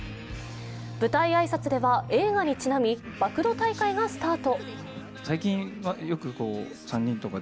舞台挨拶では映画にちなみ暴露大会がスタート。